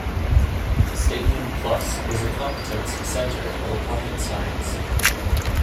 Studium Plus is a Competence Center of Applied Science.